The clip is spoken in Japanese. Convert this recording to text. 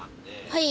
はい。